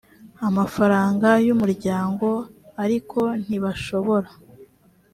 amafaranga y umuryango ariko ntibashobora